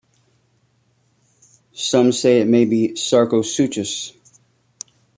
Some say it may be Sarcosuchus.